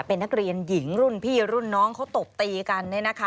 เป็นนักเรียนหญิงรุ่นพี่รุ่นน้องเขาตบตีกัน